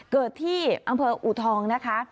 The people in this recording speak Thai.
เกิดที่อำเภออูทองนะคะ